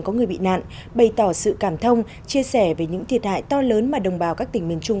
có người bị nạn bày tỏ sự cảm thông chia sẻ về những thiệt hại to lớn mà đồng bào các tỉnh miền trung